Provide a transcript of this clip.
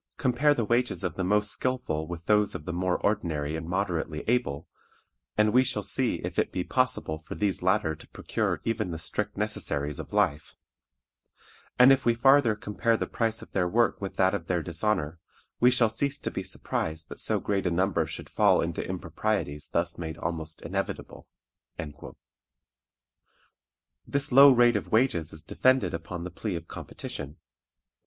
Compare the wages of the most skillful with those of the more ordinary and moderately able, and we shall see if it be possible for these latter to procure even the strict necessaries of life; and if we farther compare the price of their work with that of their dishonor, we shall cease to be surprised that so great a number should fall into improprieties thus made almost inevitable." This low rate of wages is defended upon the plea of competition.